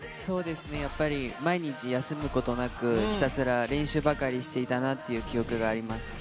毎日休むことなくひたすら練習ばかりしていたなっていう記憶があります。